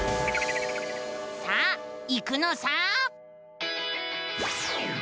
さあ行くのさ！